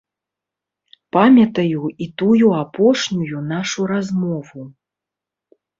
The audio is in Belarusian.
Памятаю і тую апошнюю нашу размову.